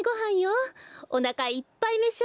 おなかいっぱいめしあがれ！